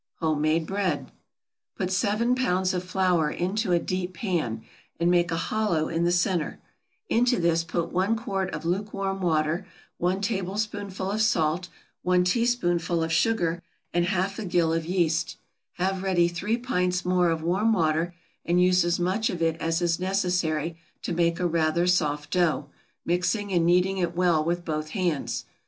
=Homemade Bread.= Put seven pounds of flour into a deep pan, and make a hollow in the centre; into this put one quart of lukewarm water, one tablespoonful of salt, one teaspoonful of sugar, and half a gill of yeast; have ready three pints more of warm water, and use as much of it as is necessary to make a rather soft dough, mixing and kneading it well with both hands.